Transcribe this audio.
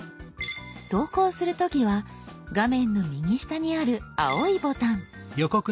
投稿する時は画面の右下にある青いボタン。